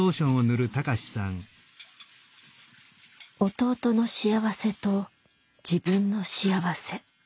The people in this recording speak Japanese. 弟の幸せと自分の幸せ。